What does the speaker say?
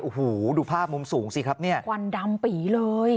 โอ้โหดูภาพมุมสูงสิครับเนี่ยควันดำปีเลย